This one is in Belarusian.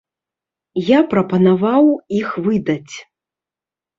Я прапанаваў іх выдаць.